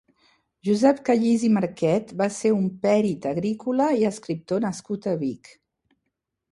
Josep Callís i Marquet va ser un pèrit agrícola i escriptor nascut a Vic.